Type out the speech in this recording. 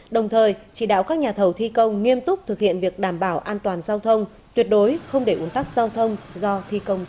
đồng thời chỉ đạo các nhà thầu thi công nghiêm túc thực hiện việc đảm bảo an toàn giao thông tuyệt đối không để uốn tắt giao thông do thi công xảy ra